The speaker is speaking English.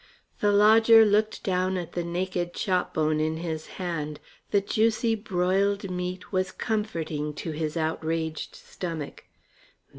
The lodger looked down at the naked chop bone in his hand. The juicy, broiled meat was comforting to his outraged stomach.